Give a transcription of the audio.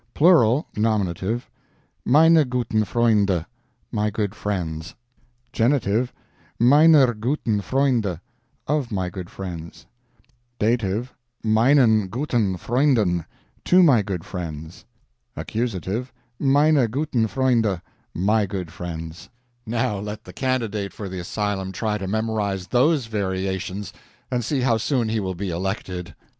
PLURAL N. MeinE gutEN FreundE, my good friends. G. MeinER gutEN FreundE, of my good friends. D. MeinEN gutEN FreundEN, to my good friends. A. MeinE gutEN FreundE, my good friends. Now let the candidate for the asylum try to memorize those variations, and see how soon he will be elected.